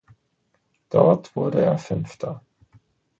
Dort wurde er Fünfter.